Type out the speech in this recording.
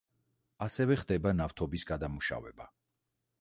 ასევე ხდება ნავთობის გადამუშავება.